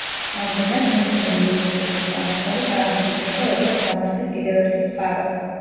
ამდენად მეცნიერ იურისტების სამართალი წარმოგვიდგება, როგორც სამართლის კიდევ ერთი წყარო.